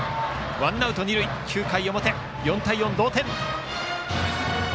ワンアウト二塁、９回の表４対４の同点。